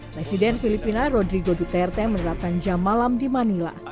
presiden filipina rodrigo duterte menerapkan jam malam di manila